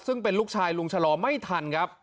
ซึ่งเป็นลูกชายลุงชะลอไม่ทันครับ